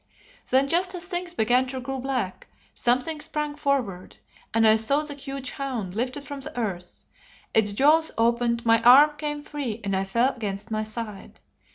Then just as things began to grow black, something sprang forward and I saw the huge hound lifted from the earth. Its jaws opened, my arm came free and fell against my side.